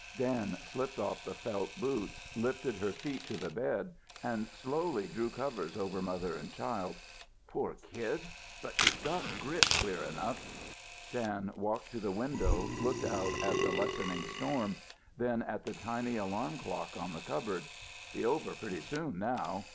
Dan slipped off the felt boots, lifted her feet to the bed and softly drew covers over mother and child. "Poor kid, but she's grit, clear through!" Dan walked to the window, looked out at the lessening storm, then at the tiny alarm clock on the cupboard. "Be over pretty soon now!"